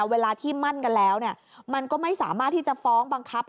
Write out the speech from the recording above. เวลาที่มั่นกันแล้วมันก็ไม่สามารถที่จะฟ้องบังคับ